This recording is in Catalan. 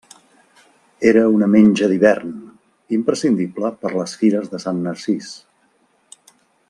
Era una menja d'hivern, imprescindible per les Fires de Sant Narcís.